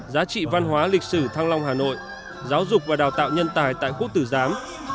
giá trị văn hóa lịch sử thăng long hà nội giáo dục và đào tạo nhân tài tại quốc tử giám